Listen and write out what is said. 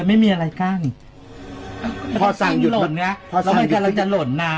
อะไรหยุด